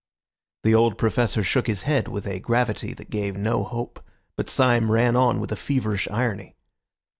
The old Professor shook his head with a gravity that gave no hope, but Syme ran on with a feverish irony.